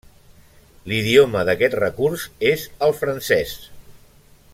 L'idioma d'aquest recurs és el francès.